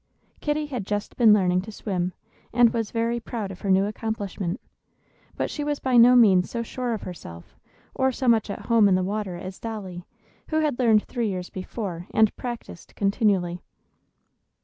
Kitty had just been learning to swim, and was very proud of her new accomplishment; but she was by no means so sure of herself or so much at home in the water as Dolly, who had learned three years before, and practised continually.